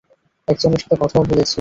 একজনের সাথে কথাও বলেছি!